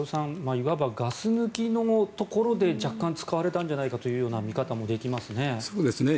いわばガス抜きのところで若干、使われたんじゃないかというような見方もできますね。